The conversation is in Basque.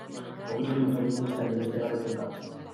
Mugimendu feministaren beste garaipen bat.